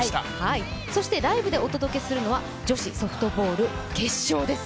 そしてライブでお届けするのは女子ソフトボール決勝です。